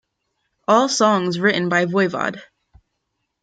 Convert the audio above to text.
All songs written by Voivod.